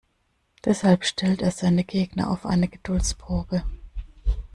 Deshalb stellt er seinen Gegner auf eine Geduldsprobe.